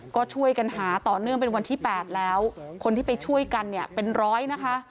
ก็ช่วยกันหาต่อเนื่องเป็นวันที่๘แล้วคนที่ไปช่วยกันเนี่ยเป็นร้อยนะคะ